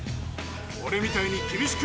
俺みたいに厳しく。